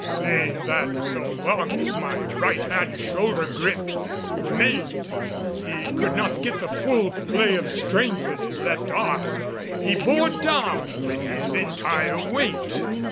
Seeing that so long as my right hand shoulder gripe remained he could not get the full play of strength in his left arm, he bore down with his entire weight.